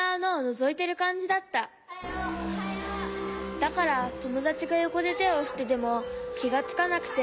だからともだちがよこでてをふっててもきがつかなくて。